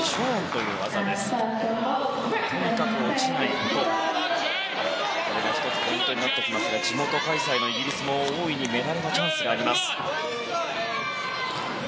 とにかく落ちないことが１つ、ポイントになってきますが地元開催のイギリスも、大いにメダルのチャンスがあります。